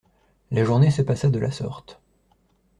La journée se passa de la sorte.